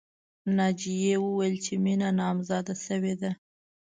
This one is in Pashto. ناجیې وویل چې مینه نامزاده شوې ده